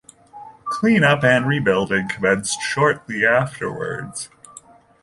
Cleanup and rebuilding commenced shortly afterwards.